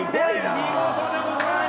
見事でございます。